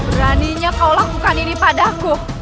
beraninya kau lakukan ini padaku